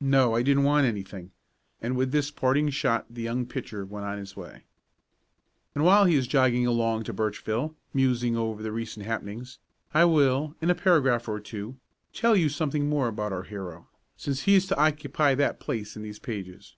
"No, I didn't want anything," and with this parting shot the young pitcher went on his way. And, while he is jogging along to Birchville, musing over the recent happenings, I will, in a paragraph or two, tell you something more about our hero, since he is to occupy that place in these pages.